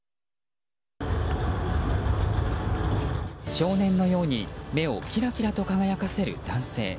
少年のように目をキラキラと輝かせる男性。